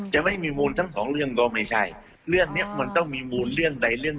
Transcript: จะไม่มีมูลทั้งสองเรื่องต้องมีมูลใดเรื่องหนึ่ง